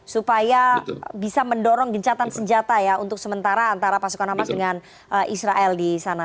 supaya bisa mendorong gencatan senjata ya untuk sementara antara pasukan hamas dengan israel di sana